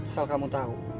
soal kamu tau